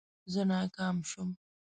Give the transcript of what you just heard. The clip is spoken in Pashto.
زه ناکامه شوم